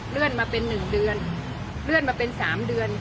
เลื่อนมาเป็นหนึ่งเดือนเลื่อนมาเป็นสามเดือน